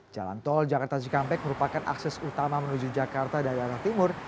jalan tol jakarta cikampek merupakan akses utama menuju jakarta dari arah timur